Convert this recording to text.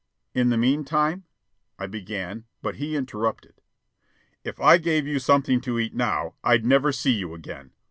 "In the meantime " I began; but he interrupted. "If I gave you something to eat now, I'd never see you again.